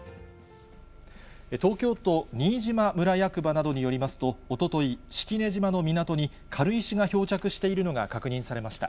東京都新島村役場などによりますと、おととい、式根島の港に軽石が漂着しているのが確認されました。